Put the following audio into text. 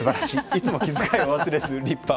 いつも気遣いを忘れず立派。